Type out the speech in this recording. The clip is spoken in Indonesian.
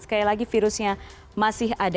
sekali lagi virusnya masih ada